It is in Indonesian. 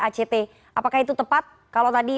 act apakah itu tepat kalau tadi